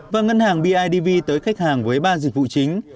và ngân hàng bidv tới khách hàng với ba dịch vụ chính